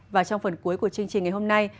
và trong phần cuối của chương trình ngày hôm nay